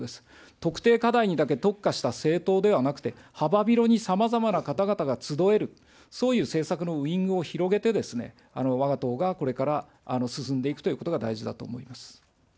特定課題にだけ特化した政党ではなくて、幅広にさまざまな方々が集える、そういう政策のウイングを広げて、わが党がこれから進んでいくということが大事だと思います。